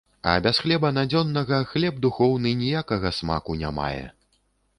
А без хлеба надзённага хлеб духоўны ніякага смаку не мае.